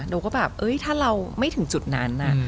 เดี๋ยวก็แบบเอ้ยถ้าเราไม่ถึงจุดนั้นนะ